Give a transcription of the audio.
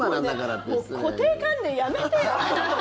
固定観念やめてよ。